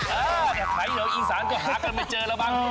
แหละหายเครื่องอีกสารก็หากันไม่เจอแล้วบ้าง